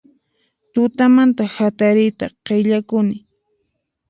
Tutamanta hatariyta qillakuni